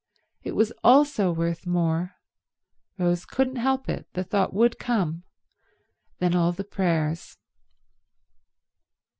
It was also worth more—Rose couldn't help it, the thought would come—than all the prayers.